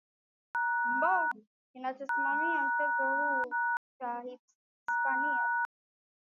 mbo kinachosimamia mchezo huo cha hispania